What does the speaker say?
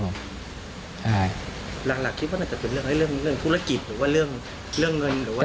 หลักคิดว่าน่าจะเป็นเรื่องธุรกิจหรือว่าเรื่องเงินหรือว่า